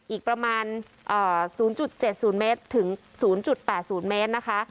อีกประมาณเอ่อศูนย์จุดเจ็ดศูนย์เมตรถึงศูนย์จุดแปดศูนย์เมตรนะคะ